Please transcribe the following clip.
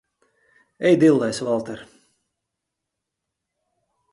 Ej dillēs, Valter!